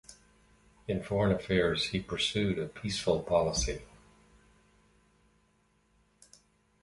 In foreign affairs he pursued a peaceful policy.